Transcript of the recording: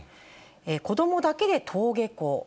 子どもだけで登下校。